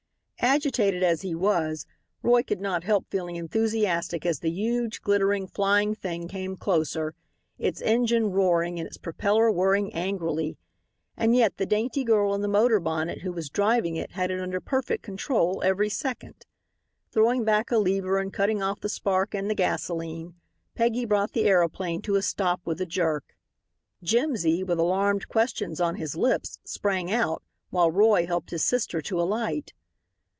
Agitated as he was Roy could not help feeling enthusiastic as the huge, glittering, flying thing came closer, its engine roaring and its propeller whirring angrily, and yet, the dainty girl in the motor bonnet who was driving it had it under perfect control every second. Throwing back a lever and cutting off the spark and the gasolene, Peggy brought the aeroplane to a stop with a jerk. Jimsy, with alarmed questions on his lips, sprang out, while Roy helped his sister to alight.